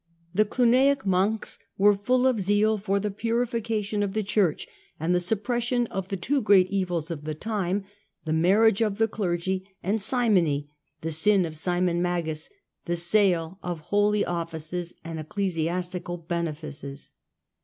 The Cluniac monks were full of zeal for the 34 THE CENTRAL PERIOD OP THE MIDDLE AGE purification of the Church, and the suppression of the two great evils of the time, the marriage of the clergy, and simony, the sin of Simon Magus, the sale of holy offices and ecclesiastical benefices.